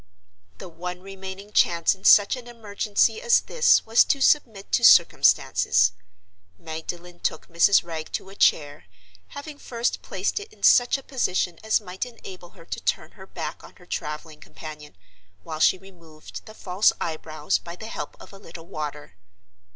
The one remaining chance in such an emergency as this was to submit to circumstances. Magdalen took Mrs. Wragge to a chair; having first placed it in such a position as might enable her to turn her back on her traveling companion, while she removed the false eyebrows by the help of a little water.